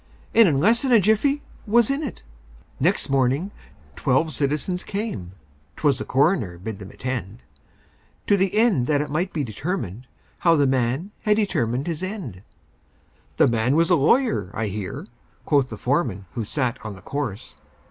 And in less than a jiffy was in it! Next morning twelve citizens came ('Twas the coroner bade them attend), To the end that it might be determined How the man had determined his end! "The man was a lawyer, I hear," Quoth the foreman who sat on the corse.